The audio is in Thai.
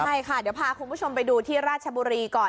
ใช่ค่ะเดี๋ยวพาคุณผู้ชมไปดูที่ราชบุรีก่อน